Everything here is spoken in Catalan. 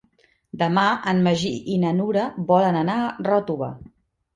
Demà en Magí i na Nura volen anar a Ròtova.